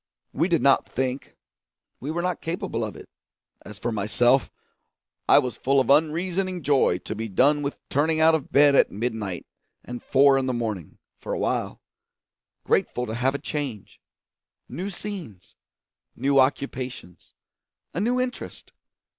We did not think; we were not capable of it. As for myself, I was full of unreasoning joy to be done with turning out of bed at midnight and four in the morning, for a while; grateful to have a change, new scenes, new occupations, a new interest.